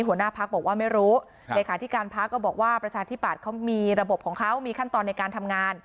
หัวหน้าภักดิ์บอกว่าไม่รู้เดคาที่การภักดิ์ก็บอกว่าประชาธิบัตรมีระบบของเขามีขั้นตอนในการทำงาน